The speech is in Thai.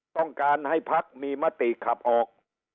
ต้องการให้พักมีมติขับออก